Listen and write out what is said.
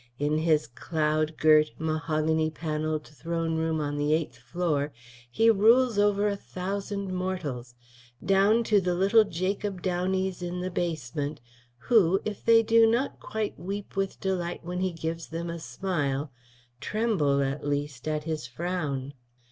In his cloud girt, mahogany panelled throne room on the eighth floor he rules over a thousand mortals, down to the little Jacob Downeys in the basement, who, if they do not quite weep with delight when he gives them a smile, tremble, at least, at his frown.